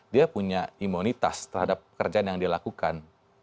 dia punya imunitas terhadap pekerjaan yang dilakukan